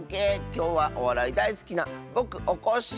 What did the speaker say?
きょうはおわらいだいすきなぼくおこっしぃ